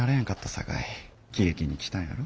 さかい喜劇に来たんやろ。